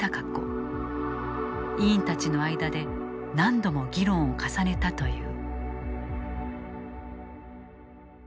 委員たちの間で何度も議論を重ねたという。